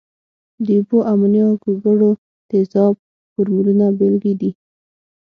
د اوبو، امونیا، ګوګړو تیزاب فورمولونه بیلګې دي.